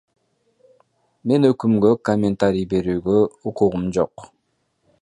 Мен өкүмгө комментарий берүүгө укугум жок.